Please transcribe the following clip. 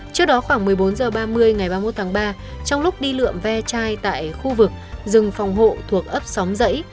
trước đó khoảng một mươi bốn h ba mươi ngày ba mươi một tháng ba trong lúc đi lượm ve chai tại khu vực rừng phòng hộ thuộc ấp xóm dãy